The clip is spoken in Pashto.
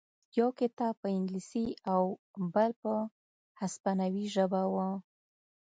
یو کتاب په انګلیسي او بل په هسپانوي ژبه و